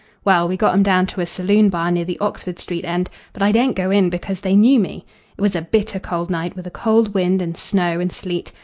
Well, we got 'em down to a saloon bar near the Oxford Street end, but I daren't go in because they knew me. It was a bitter cold night, with a cold wind and snow and sleet.